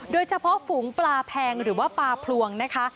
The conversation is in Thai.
โดยเฉพาะฝูงปลาแพงหรือว่าปลาพลวงนะคะ